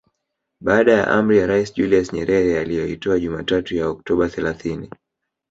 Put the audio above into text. Baada ya amri ya Rais Julius Nyerere aliyoitoa Jumatatu ya Oktoba thelathini